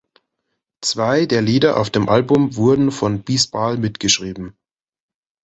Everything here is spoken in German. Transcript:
Zwei der Lieder auf dem Album wurden von Bisbal mitgeschrieben.